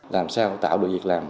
làm sao tạo được việc làm